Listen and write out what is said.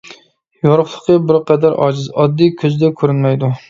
يورۇقلۇقى بىر قەدەر ئاجىز، ئاددىي كۆزدە كۆرۈنمەيدۇ.